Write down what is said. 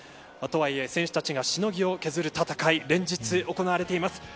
今日は池江選手たちがしのぎを削る戦い連日行われています。